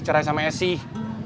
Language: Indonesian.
cerai sama aceh